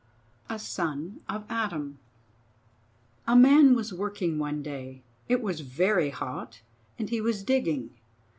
A Son of Adam A man was working one day. It was very hot, and he was digging.